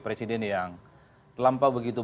presiden yang terlampau begitu